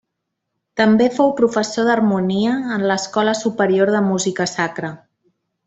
També fou professor d'harmonia en l'Escola Superior de Música Sacra.